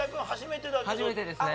初めてですね。